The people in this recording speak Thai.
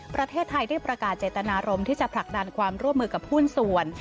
ประเทศไทยได้ประกาศเจตนารมณ์ที่จะผลักดันความร่วมมือกับหุ้นส่วน